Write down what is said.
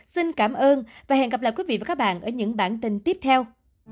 xin cảm ơn và hẹn gặp lại quý vị và các bạn ở những bản tin tiếp theo